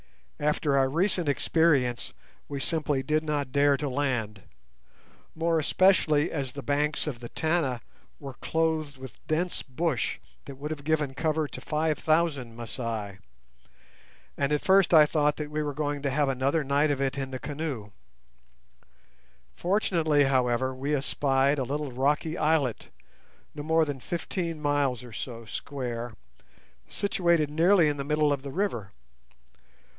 After our recent experience, we simply did not dare to land, more especially as the banks of the Tana were clothed with dense bush that would have given cover to five thousand Masai, and at first I thought that we were going to have another night of it in the canoes. Fortunately, however, we espied a little rocky islet, not more than fifteen miles or so square, situated nearly in the middle of the river.